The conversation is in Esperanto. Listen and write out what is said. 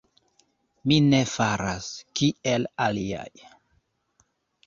Mi ne faras, kiel aliaj.